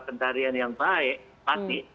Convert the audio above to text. pentarian yang baik pasti